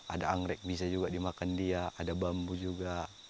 ada anggrek bisa juga dimakan dia ada bambu juga